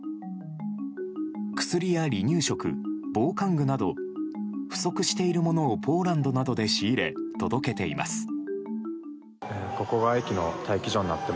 薬や離乳食、防寒具など不足しているものをポーランドなどで仕入れ届けています。